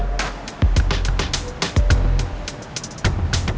ya tahan pasti